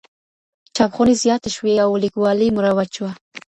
چاپخونې زياتې شوې او ليکوالۍ مروج شوه.